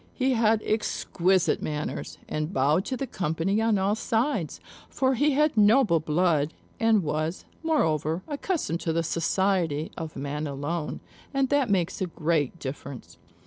He had exquisite manners, and bowed to the company on all sides; for he had noble blood, and was, moreover, accustomed to the society of man alone; and that makes a great difference.